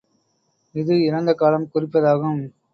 இது இறந்த காலம் குறிப்பதாகும்.